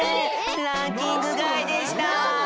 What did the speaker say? ランキングがいでした！